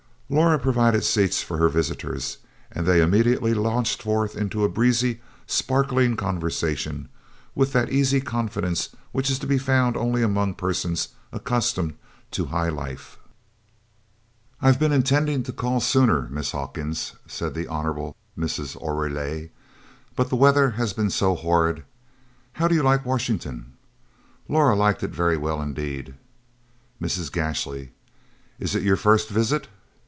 Laura provided seats for her visitors and they immediately launched forth into a breezy, sparkling conversation with that easy confidence which is to be found only among persons accustomed to high life. "I've been intending to call sooner, Miss Hawkins," said the Hon. Mrs. Oreille, "but the weather's been so horrid. How do you like Washington?" Laura liked it very well indeed. Mrs. Gashly "Is it your first visit?"